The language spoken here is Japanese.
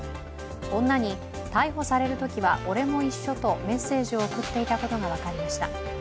女に、逮捕されるときは俺も一緒とメッセージを送っていたことが分かりました。